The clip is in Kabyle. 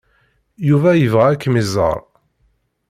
Yuba yebɣa ad kem-iẓer.